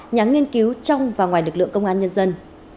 nhà nghiên cứu trong và ngoài lực lượng công an nhân dân